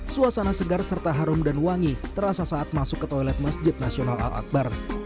suasana segar serta harum dan wangi terasa saat masuk ke toilet masjid nasional al akbar